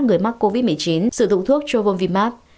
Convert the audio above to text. người mắc covid một mươi chín sử dụng thuốc sojovimab